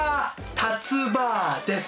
たつ婆です。